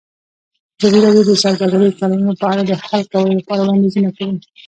ازادي راډیو د سوداګریز تړونونه په اړه د حل کولو لپاره وړاندیزونه کړي.